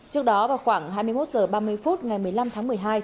trước đó vào khoảng hai mươi một h ba mươi phút ngày một mươi năm tháng một mươi hai